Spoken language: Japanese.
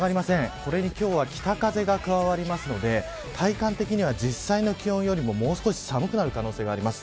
これに今日は北風が加わるので体感的には実際の気温よりも少し寒くなる可能性があります。